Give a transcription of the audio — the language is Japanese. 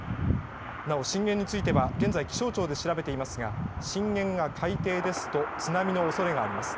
なお震源については現在、気象庁で調べていますが津波のおそれがあります。